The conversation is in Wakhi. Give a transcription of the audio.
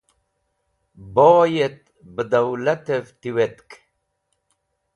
Boy et ba dawlatev tiwetk.